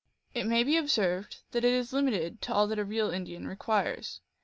It may be observed that it is limited to all that a real Indian requires.